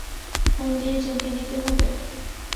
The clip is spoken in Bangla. ফোন দিয়ে জাগিয়ে দিতে হবে?